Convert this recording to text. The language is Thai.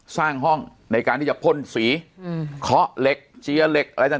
สร้างห้องในการที่จะพ่นสีเคาะเหล็กเจียเหล็กอะไรต่าง